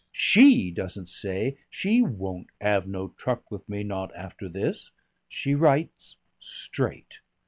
She doesn't say, she 'won't 'ave no truck with me not after this.' She writes straight.